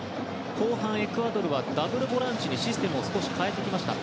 後半、エクアドルはダブルボランチにシステムを変えてきました。